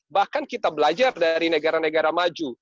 bahkan kita belajar dari negara negara maju